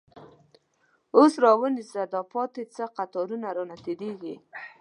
اوس را ونیسه دا پاتی، چه قطار رانه تیریږی